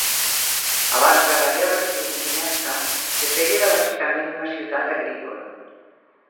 Abans de la Guerra Civil Xinesa, Hefei era bàsicament una ciutat agrícola.